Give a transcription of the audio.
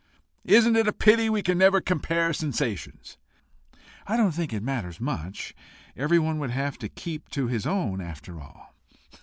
"Isn't it a pity we never can compare sensations?" "I don't think it matters much: everyone would have to keep to his own after all."